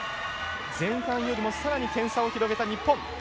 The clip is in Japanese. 前半よりもさらに点差を広げた日本。